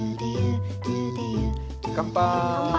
乾杯！